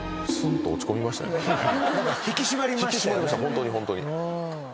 ホントにホントに。